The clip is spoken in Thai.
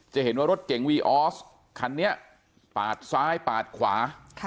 จะเห็นว่ารถเก๋งวีออสคันนี้ปาดซ้ายปาดขวา